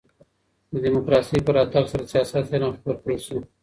د ډيموکراسۍ په راتګ سره د سياست علم خپور کړل سو.